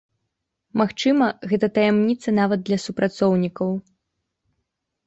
Магчыма, гэта таямніца нават для супрацоўнікаў.